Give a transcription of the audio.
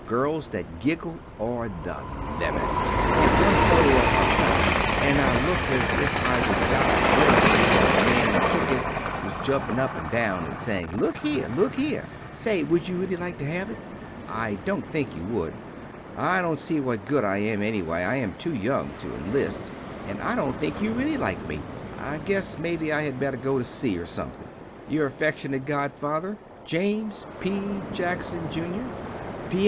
Girls that giggle are the limit. I have only one photo of myself and I look as if I wood dye grinning becaus the man that took it was jumpin up and down and sayin, Look hear! Look hear! Say wood you relly like to have it? I dont think you wood, I dont see what good I am ennyway. I am two young to inlist and I dont think you relly like me. I guess mebbe I had better go to sea or something. Your affeckshunate godfather, James P. Jackson Jr. P.